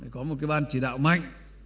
có một cái ban chỉ đạo mạnh